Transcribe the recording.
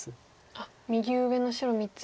あっ右上の白３つ。